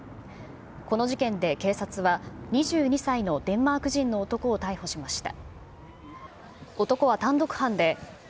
この事件で警察は、２２歳のデンマーク人の男を逮捕しました。